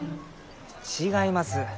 違います。